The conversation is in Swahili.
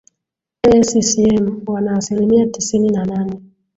ee ccm wana asilimia tisini na nane